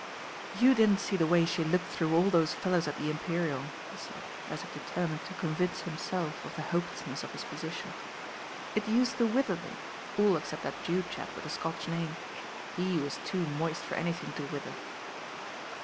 "You didn't see the way she looked through aU those fellows at the Imperial." he said, as if deter mined to convmce himself of the hopelessness of hi. position. ''It used to wither them, all except that Jew chap with the Scotch name. He was too moist for anything to wither.'